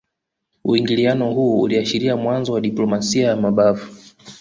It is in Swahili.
Uingiliano huu uliashiria mwanzo wa diplomasia ya mabavu